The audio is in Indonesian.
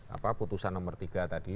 apa putusan nomor tiga tadi